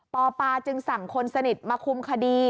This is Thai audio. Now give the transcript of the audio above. ปปจึงสั่งคนสนิทมาคุมคดี